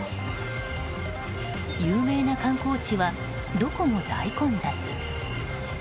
有名な観光地は、どこも大混雑。